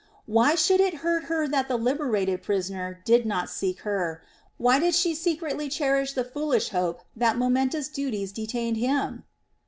Why should it hurt her that the liberated prisoner did not seek her; why did she secretly cherish the foolish hope that momentous duties detained him?